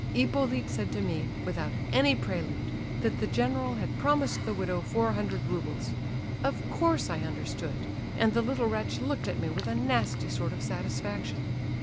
Hippolyte said to me, without any prelude, that the general had promised the widow four hundred roubles. Of course I understood, and the little wretch looked at me with a nasty sort of satisfaction.